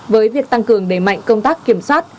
với việc tăng cường đẩy mạng công tác kiểm soát